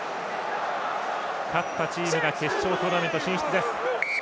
勝ったチームが決勝トーナメント進出です。